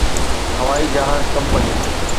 هوائي جهاز ڪمپني